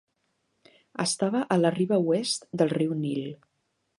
Estava a la riba oest del riu Nil.